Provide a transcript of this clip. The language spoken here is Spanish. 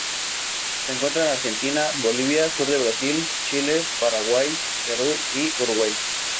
Se encuentra en Argentina, Bolivia, sur de Brasil, Chile, Paraguay, Perú y Uruguay.